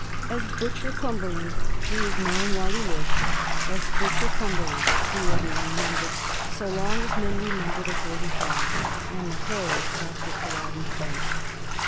As Butcher Cumberland he was known while he lived ; as Butcher Cumberland he will be remembered so long as men remember the "Forty five" and the horrors after CuUoden fight.